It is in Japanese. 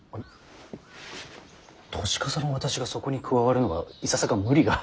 年かさの私がそこに加わるのはいささか無理が。